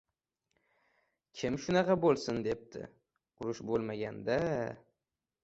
— Kim shunaqa bo‘lsin, debdi. Urush bo‘lmaganda...